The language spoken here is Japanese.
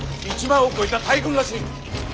１万を超えた大軍らしい。